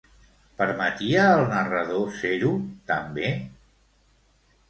Permetia al narrador ser-ho, també?